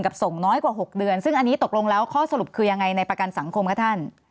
ส่งน้อยกว่า๖เดือนซึ่งอันนี้ตกลงแล้วข้อสรุปคือยังไงในประกันสังคมคะท่าน